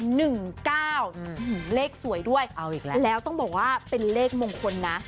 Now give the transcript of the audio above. เหมือนเลขสวยด้วยแล้วต้องบอกว่าเป็นเลขมงคลนะ